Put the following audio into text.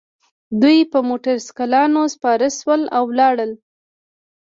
دوی په موټرسایکلونو سپاره شول او لاړل